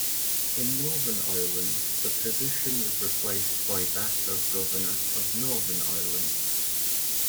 In Northern Ireland the position was replaced by that of Governor of Northern Ireland.